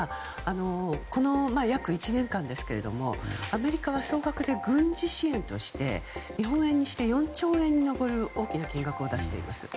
約１年間ですがアメリカは総額で軍事支援として日本円にして４兆円に上る大きな金額を出しています。